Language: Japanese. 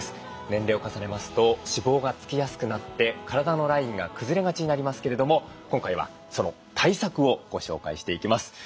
年齢を重ねますと脂肪がつきやすくなって体のラインがくずれがちになりますけれども今回はその対策をご紹介していきます。